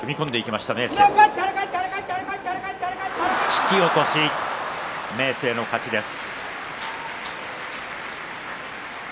引き落とし明生の勝ちです。